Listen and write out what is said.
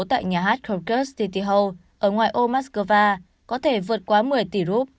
tại nhà hát kyrgyz tityhul ở ngoài ô moscow có thể vượt qua một mươi tỷ rup